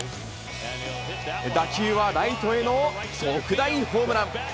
打球はライトへの特大ホームラン。